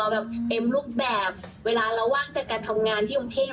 แบบเต็มรูปแบบเวลาเราว่างจากการทำงานที่กรุงเทพ